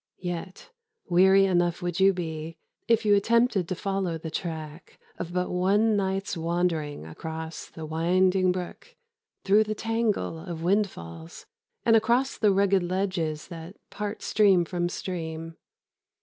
Yet weary enough would you be if you attempted to follow the track of but one night's wandering along the winding brook, through the tangle of windfalls, and across the rugged ledges that part stream from stream.